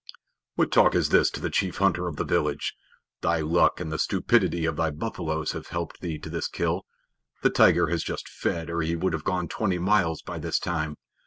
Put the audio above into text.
"What talk is this to the chief hunter of the village? Thy luck and the stupidity of thy buffaloes have helped thee to this kill. The tiger has just fed, or he would have gone twenty miles by this time.